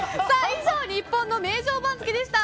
以上、日本の名城番付でした。